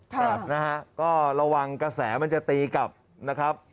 ครับนะฮะก็ระวังกระแสมันจะตีกลับนะครับ